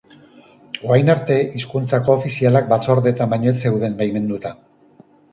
Orain arte, hizkuntza koofizialak batzordeetan baino ez zeuden baimenduta.